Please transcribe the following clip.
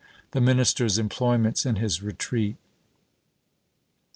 The minister 's employments in his retreat.